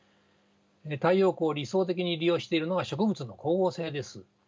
太陽光を理想的に利用しているのが植物の光合成です。